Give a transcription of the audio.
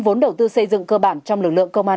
vốn đầu tư xây dựng cơ bản trong lực lượng công an